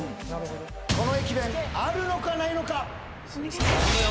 この駅弁あるのかないのか頼むよ